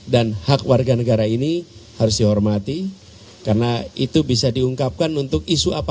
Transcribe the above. dan hak warga negara ini harus dihormati karena itu bisa diungkapkan untuk isu apa